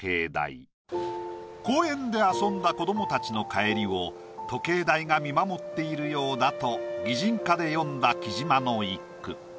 公園で遊んだ子どもたちの帰りを時計台が見守っているようだと擬人化で詠んだ貴島の一句。